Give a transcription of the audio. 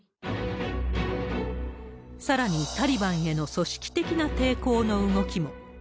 さらにタリバンへの組織的な抵抗の動きも。